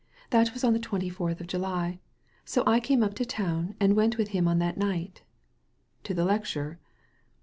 That was on the twenty fourth of July ; so I came up to town, and went with him on that night" "To the lecture?"